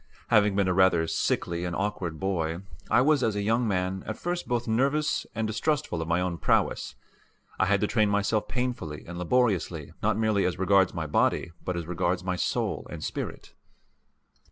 Having been a rather sickly and awkward boy, I was as a young man at first both nervous and distrustful of my own prowess. I had to train myself painfully and laboriously not merely as regards my body but as regards my soul and spirit.